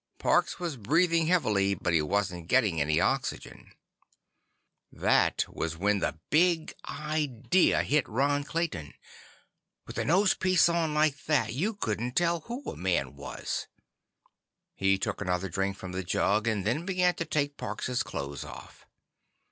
Parks was breathing heavily, but he wasn't getting any oxygen. That was when the Big Idea hit Ron Clayton. With a nosepiece on like that, you couldn't tell who a man was. He took another drink from the jug and then began to take Parks' clothes off.